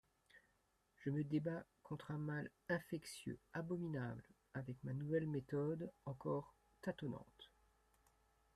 «Je me débats contre un mal infectieux, abominable, avec ma nouvelle méthode, encore tâtonnante.